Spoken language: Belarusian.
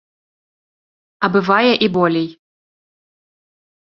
А бывае і болей.